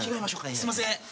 すいません。